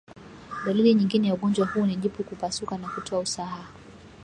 Dalili nyingine ya ugonjwa huu ni jipu kupasuka na kutoa usaha